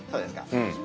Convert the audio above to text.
うん。